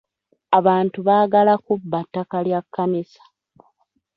Abantu baagala kubba ttaka lya kkanisa.